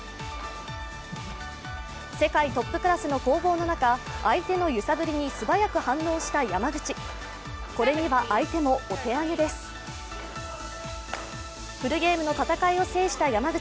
世界トップクラスの攻防の中、相手の揺さぶりに素早く反応した山口。